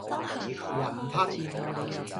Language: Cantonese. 雲吞